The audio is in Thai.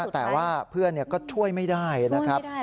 แต่ว่าเพื่อนก็ช่วยไม่ได้นะครับช่วยไม่ได้